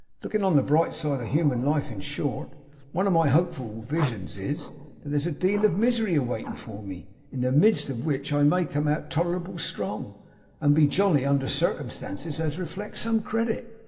Lookin' on the bright side of human life in short, one of my hopeful wisions is, that there's a deal of misery awaitin' for me; in the midst of which I may come out tolerable strong, and be jolly under circumstances as reflects some credit.